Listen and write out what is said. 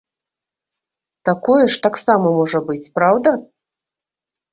Такое ж таксама можа быць, праўда?